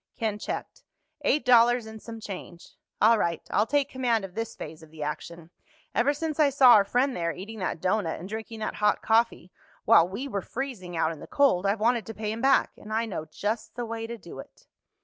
Ken checked. "Eight dollars and some change." "All right. I'll take command of this phase of the action. Ever since I saw our friend there eating that doughnut and drinking that hot coffee—while we were freezing out in the cold—I've wanted to pay him back. And I know just the way to do it."